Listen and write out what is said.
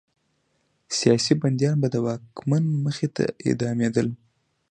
سیاسي بندیان به د واکمن مخې ته اعدامېدل.